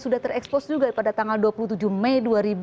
sudah terekspos juga pada tanggal dua puluh tujuh mei dua ribu dua puluh